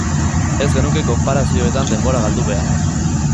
Ez genuke konparazioetan denbora galdu behar.